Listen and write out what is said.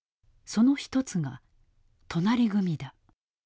その一つが隣組だ。